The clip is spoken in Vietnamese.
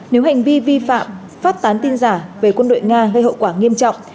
nếu hành vi vi phạm phát tán tin giả về quân đội nga gây hậu quả nghiêm trọng